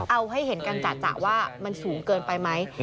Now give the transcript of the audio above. เอาให้เห็นกันจัดว่ามันสูงเกินไปไหม